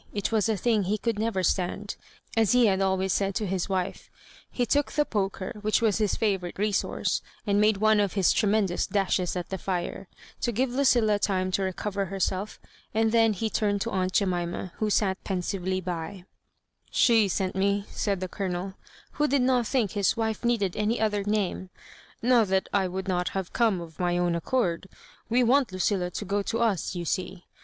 It was a thing he could never stand, as he had always said to his wife. He took tne poker, which was his favourite resource, and made one of his tremendous dashes at the fire, to give Lucilla time to recover herself, and then he turned to aunt Jemima, who sat pensively by " She sent me," said the Colonel, who did not think bis wife needed any other name—" not that I would not have oome of my own accord — we want Lucilla to go to us, you see.